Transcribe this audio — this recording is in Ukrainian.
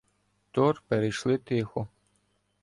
Тор перейшли тихо.